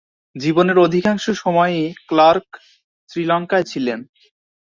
জীবনের অধিকাংশ সময়ই ক্লার্ক শ্রীলঙ্কায় ছিলেন।